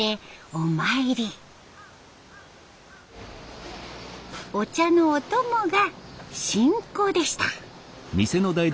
お茶のお供がしんこでした。